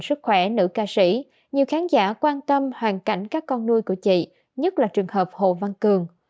sức khỏe nữ ca sĩ nhiều khán giả quan tâm hoàn cảnh các con nuôi của chị nhất là trường hợp hồ văn cường